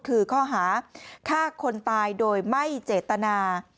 คือข้อหาฆ่าคนตายโดยไม่เจตนา